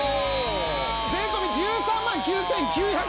税込１３万９９００円です！